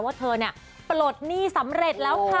ว่าเธอเนี่ยปลดหนี้สำเร็จแล้วค่ะ